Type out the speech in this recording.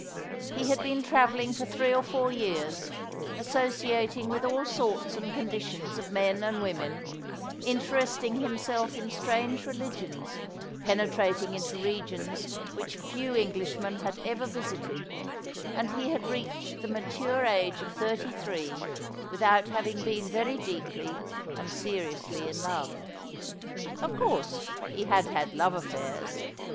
He had been travelling for three or four years, associating with all sorts and conditions of men and women, interesting himself in strange religions, penetrating into regions which few Englishmen had ever visited, and he had reached the mature age of thirty three without having been very deeply and seriously in love. Of course he had had love affairs.